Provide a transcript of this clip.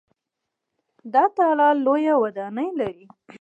دغه تالار لویه ودانۍ لري.